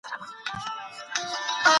پوه سړی په ټولنه کي د درناوي وړ وي.